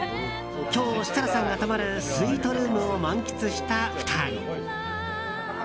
今日、設楽さんが泊まるスイートルームを満喫した２人。